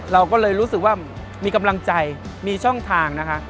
เราก็เลยรู้สึกว่ามีกำลังใจมีช่องทางนะคะ